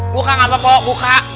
buka ngapain pok buka